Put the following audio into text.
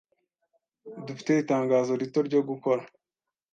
Dufite itangazo rito ryo gukora.